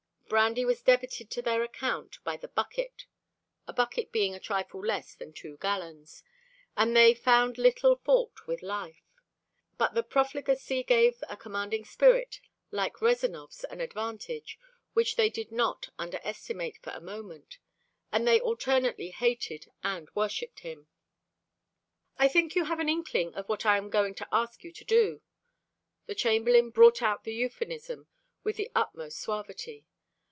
Brandy was debited to their account by the "bucket" (a bucket being a trifle less than two gallons), and they found little fault with life. But the profligacy gave a commanding spirit like Rezanov's an advantage which they did not under estimate for a moment; and they alternately hated and worshiped him. "I think you have an inkling of what I am going to ask you to do." The Chamberlain brought out the euphemism with the utmost suavity.